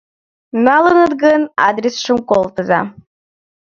Налыныт гын, адресшым колтыза.